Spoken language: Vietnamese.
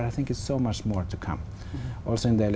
những suy nghĩ của anh